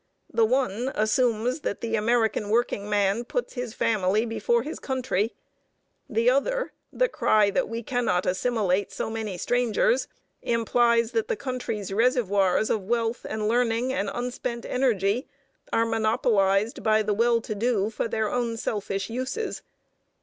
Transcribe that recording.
The one assumes that the American workingman puts his family before his country; the other the cry that we cannot assimilate so many strangers implies that the country's reservoirs of wealth and learning and unspent energy are monopolized by the well to do for their own selfish uses.